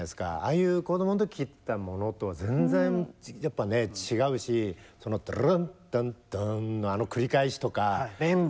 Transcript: ああいう子供の時聴いてたものとは全然やっぱねぇ違うしそのドゥルルンダンダンのあの繰り返しとか。